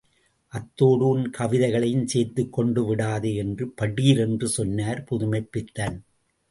அதோடு உன் கவிதையையும் சேர்த்துக் கொண்டு விடாதே! என்று படீரென்று சொன்னார் புதுமைப்பித்தன்.